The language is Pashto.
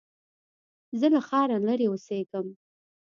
زه له ښاره لرې اوسېږم